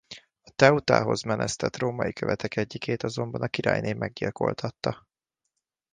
A Teutához menesztett római követek egyikét azonban a királyné meggyilkoltatta.